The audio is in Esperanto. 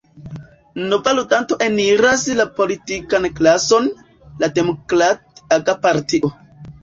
Nova ludanto eniras la politikan klason: la Demokrat-aga Partio.